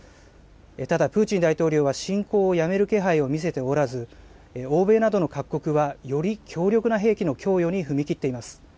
ただ、プーチン大統領は侵攻をやめる気配を見せておらず、欧米などの各国はより強力な兵器の供与に踏み切っています。